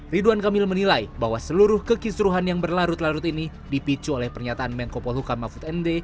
ridwan kamil menilai bahwa seluruh kekisruhan yang berlarut larut ini dipicu oleh pernyataan menko polhukam mahfud md